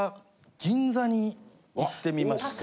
銀座に行ってみまして。